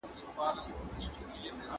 پر ښار به تر قیامته حسیني کربلا نه وي